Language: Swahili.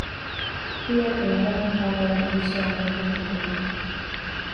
Pia kuna hofu kwamba wanajeshi wanaweza kulengwa